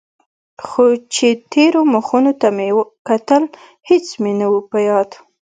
خو چې تېرو مخونو ته مې کتل هېڅ مې نه و په ياد.